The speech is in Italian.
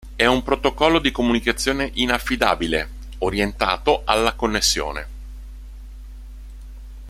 È un protocollo di comunicazione inaffidabile, orientato alla connessione.